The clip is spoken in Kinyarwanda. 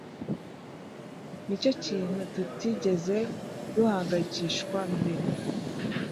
Nicyo kintu tutigeze duhangayikishwa mbere